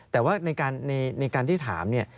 แต่ว่าในการที่ถามเนี่ย